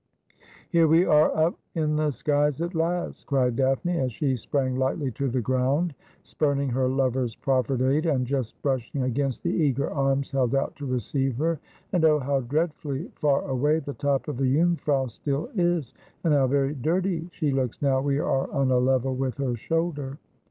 ' Here we are, up in the skies at last,' cried Daphne, as she sprang lightly to the ground, spurning her lover's proffered aid, and just brushing against the eager arms held out to receive her ;' and oh how dreadfully far away the top of the Jungfrau still is, and how very dirty she looks now we are on a level with her shoulder